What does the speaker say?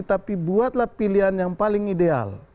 tapi buatlah pilihan yang paling ideal